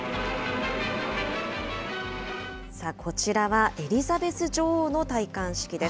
こちらはエリザベス女王の戴冠式です。